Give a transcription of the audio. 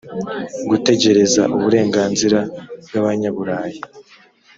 gutegereza uburenganzira bw abanyaburayi